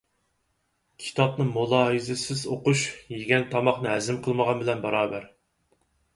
كىتابنى مۇلاھىزىسىز ئوقۇش، يېگەن تاماقنى ھەزىم قىلمىغان بىلەن باراۋەر.